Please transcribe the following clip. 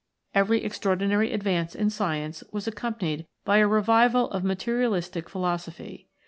Every extraordinary advance in Science was accompanied by a revival of materialistic philo sophy.